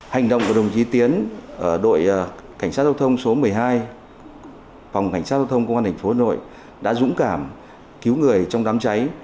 hành động của đồng chí tiến đội cảnh sát giao thông số một mươi hai phòng cảnh sát giao thông công an tp hà nội đã dũng cảm cứu người trong đám cháy